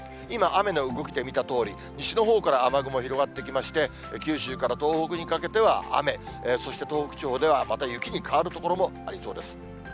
今、雨の動きで見たとおり、西のほうから雨雲、広がってきまして、九州から東北にかけては雨、そして東北地方ではまた雪に変わる所もありそうです。